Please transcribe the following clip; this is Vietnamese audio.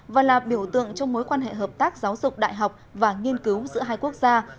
và là biểu tượng trong mối quan hệ hợp tác giáo dục đại học và nghiên cứu giữa hai quốc gia